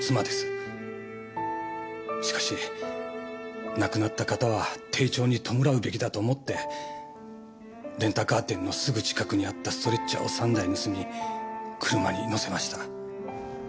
しかし亡くなった方は丁重に弔うべきだと思ってレンタカー店のすぐ近くにあったストレッチャーを３台盗み車に乗せました。